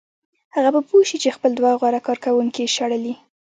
هغه به پوه شي چې خپل دوه غوره کارکوونکي یې شړلي